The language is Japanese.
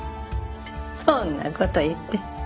そんな事言って。